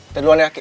ntar duluan ya ki